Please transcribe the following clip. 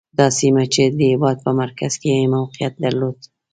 دا سیمه چې د هېواد په مرکز کې یې موقعیت درلود.